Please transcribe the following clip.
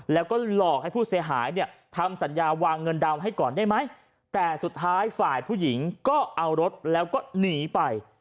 แล้วก็หลอกให้ผู้เสียหายเนี่ยทำสัญญาวางเงินดาวนให้ก่อนได้ไหมแต่สุดท้ายฝ่ายผู้หญิงก็เอารถแล้วก็หนีไป